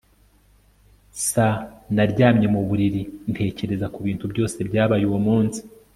S Naryamye mu buriri ntekereza ku bintu byose byabaye uwo munsi